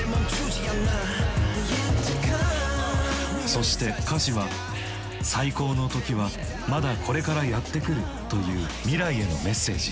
そして歌詞は「最高の時はまだこれからやってくる」という未来へのメッセージ。